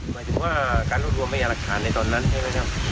หมายถึงว่าการรวบรวมพยาหลักฐานในตอนนั้นใช่ไหมครับ